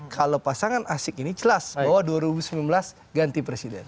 kalau pasangan asik ini jelas bahwa dua ribu sembilan belas ganti presiden